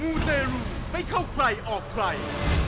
ูเตรุไม่เข้าใครออกใคร